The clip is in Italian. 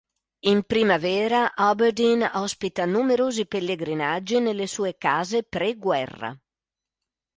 In primavera, Aberdeen ospita numerosi pellegrinaggi nelle sue case pre-guerra.